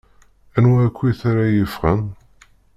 Anwa akkit ara yeffɣen?